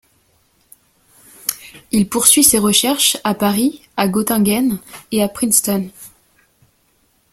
Il poursuit ses recherches, à Paris, à Göttingen et à Princeton.